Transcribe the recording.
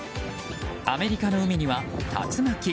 アメリカの海には竜巻。